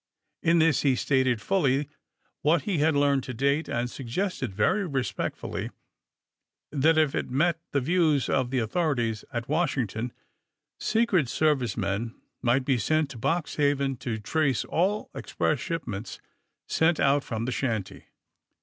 In this he stated, f nlly, what he had learned to date, and suggested, very respectfully, that, if it met the views of the authorities at Washington, Se cret Service men might be sent to Boxhaven to trace all express shipments sent out from the shanty.